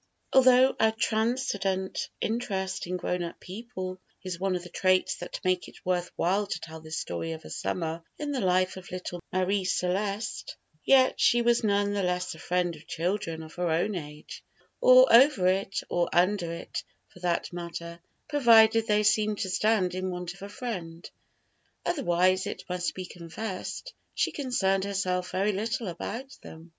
Although a transcendent interest in grown up people is one of the traits that make it worth while to tell this story of a summer in the life of little Marie Celeste, yet she was none the less a friend of children of her own age, or over it or under it for that matter, provided they seemed to stand in want of a friend. Otherwise, it must be confessed, she concerned herself very little about them.